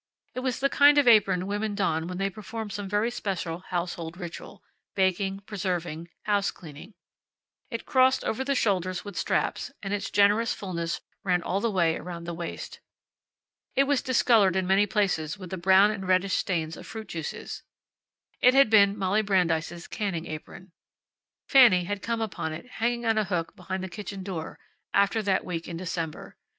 It was the kind of apron women don when they perform some very special household ritual baking, preserving, house cleaning. It crossed over the shoulders with straps, and its generous fullness ran all the way around the waist. It was discolored in many places with the brown and reddish stains of fruit juices. It had been Molly Brandeis' canning apron. Fanny had come upon it hanging on a hook behind the kitchen door, after that week in December.